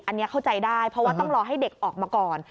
อันนี้เข้าใจได้เพราะว่าต้องรอให้เด็กออกมาก่อน